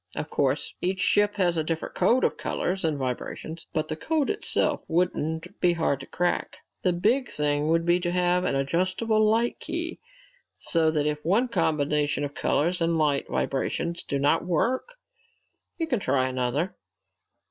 Of course each ship has a different code of colors and vibrations, but the code itself wouldn't be hard to crack. The big thing would be to have an adjustable light key, so that if one combination of colors and light vibrations do not work, you can try another.